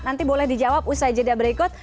nanti boleh dijawab usai jeda berikut